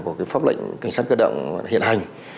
của pháp lệnh cảnh sát cơ động hiện hành